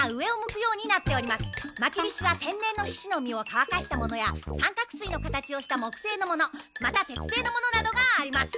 まきびしは天然のヒシの実をかわかしたものや三角すいの形をした木製のものまた鉄製のものなどがあります。